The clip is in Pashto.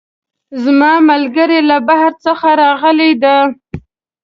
زما ملګرۍ له بهر څخه راغلی ده